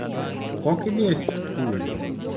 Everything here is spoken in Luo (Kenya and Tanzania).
Pok idhi e sikul